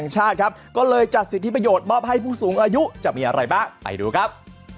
จะมีอะไรบ้างไปดูครับ